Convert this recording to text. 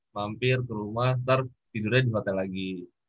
mampir ke rumah ntar tidurnya di hotel lagi